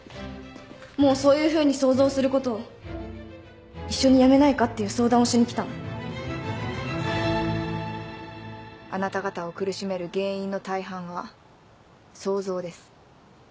もうそういうふうに想像することを一緒にやめないかっていう相談をしに来たの。あなた方を苦しめる原因の大半は想像です。